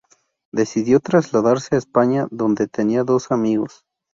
Decidió trasladarse a España, donde tenía dos amigos.